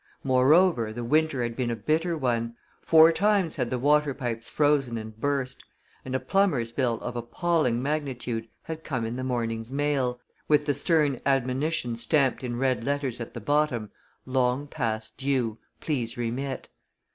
Moreover, the winter had been a bitter one. Four times had the water pipes frozen and burst, and a plumber's bill of appalling magnitude had come in the morning's mail, with the stern admonition stamped in red letters at the bottom: LONG PAST DUE. PLEASE REMIT.